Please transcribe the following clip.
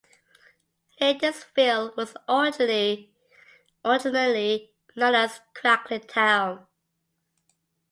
Laytonsville was originally known as Cracklintown.